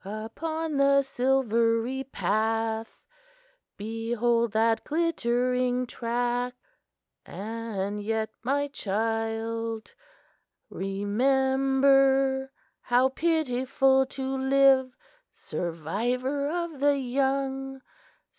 Upon the silvery path Behold that glittering track "And yet, my child, remember How pitiful to live Survivor of the young!